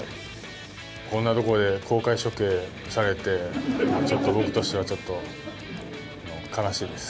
こんなところで公開処刑されて、ちょっと僕としては、ちょっと悲しいです。